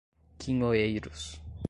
quinhoeiros